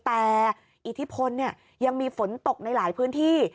แต่อิทธิพลยังมีฝนตกในหลายพื้นที่